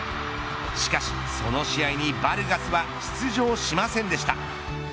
しかしその試合にバルガスは出場しませんでした。